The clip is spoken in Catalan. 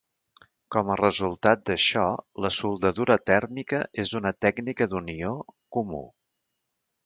Com a resultat d'això, la soldadura tèrmica és una tècnica d'unió comú.